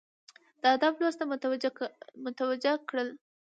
د ادب لوست ته متوجه کړل،